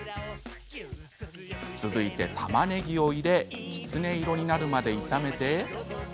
続いて、たまねぎを入れきつね色になるまで炒めて。